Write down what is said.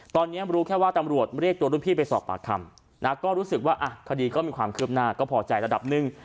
ตอนนี้รู้แค่ว่าตำรวจเรียกตัวรุ่นพี่ไปสอบปากคำนะก็รู้สึกว่าอ่ะคดีก็มีความคืบหน้าก็พอใจระดับหนึ่ง